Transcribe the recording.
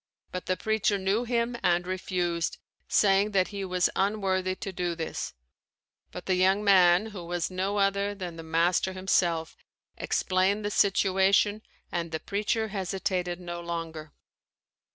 But the preacher knew him and refused, saying that he was unworthy to do this, but the young man, who was no other than the Master himself, explained the situation and the preacher hesitated no longer.